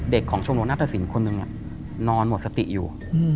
เด็กของชมรมนาฏศิลป์คนหนึ่งนอนหมดสติอยู่